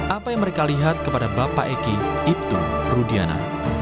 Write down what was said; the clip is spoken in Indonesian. apa yang mereka lihat kepada bapak eki ibtu rudiana